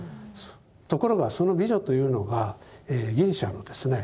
ところがその美女というのがギリシャのですね